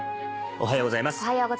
おはようございます。